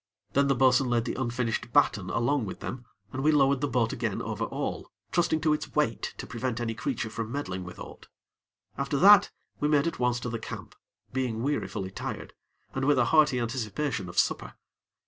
Then the bo'sun laid the unfinished batten along with them, and we lowered the boat again over all, trusting to its weight to prevent any creature from meddling with aught. After that, we made at once to the camp, being wearifully tired, and with a hearty anticipation of supper.